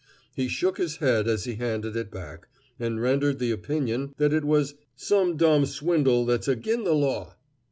He shook his head as he handed it back, and rendered the opinion that it was "some dom swindle that's ag'in' the law."